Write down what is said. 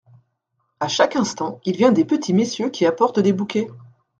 À chaque instant, il vient des petits messieurs qui apportent de bouquets !…